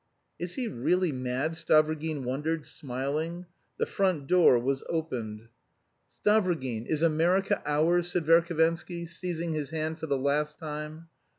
"Is he really mad?" Stavrogin wondered smiling. The front door was opened. "Stavrogin is America ours?" said Verhovensky, seizing his hand for the last time.